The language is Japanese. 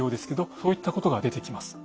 そういったことが出てきます。